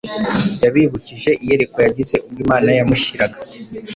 Yabibukije iyerekwa yagize ubwo Imana yamushiraga